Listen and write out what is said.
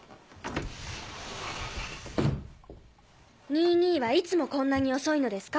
ニイ兄はいつもこんなに遅いのですか？